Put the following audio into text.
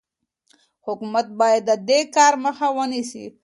حکومت باید د دې کار مخه ونیسي.